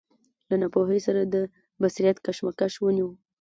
له ناپوهۍ سره د بصیرت کشمکش وینو.